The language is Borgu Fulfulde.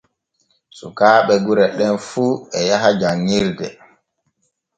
Sukaaɓe gure ɗem fu e yaha janŋirde.